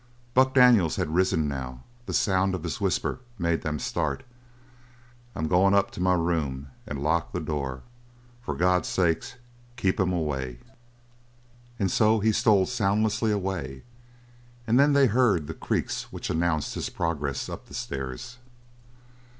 Buck Daniels had risen, now. The sound of his whisper made them start. "I'm going up to my room and lock the door for God's sake keep him away!" And so he stole soundlessly away, and then they heard the creaks which announced his progress up the stairs.